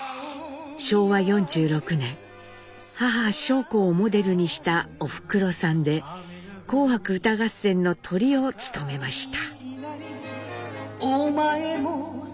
昭和４６年母尚子をモデルにした「おふくろさん」で「紅白歌合戦」のトリを務めました。